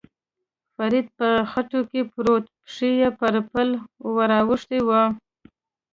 فرید په خټو کې پروت، پښې یې پر پل ور اوښتې وې.